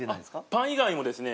パン以外もですね